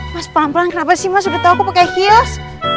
mas pelan pelan kenapa sih mas udah tau aku pake heels